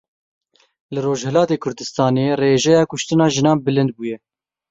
Li Rojhilatê Kurdistanê rêjeya kuştina jinan bilind bûye.